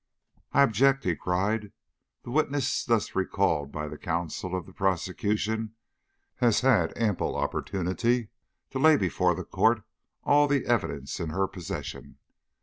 "I object!" he cried. "The witness thus recalled by the counsel of the prosecution has had ample opportunity to lay before the court all the evidence in her possession.